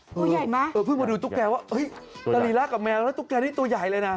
ตัวใหญ่มากเออเพิ่งมาดูตุ๊กแกว่าเฮ้ยสรีระกับแมวแล้วตุ๊กแกนี่ตัวใหญ่เลยนะ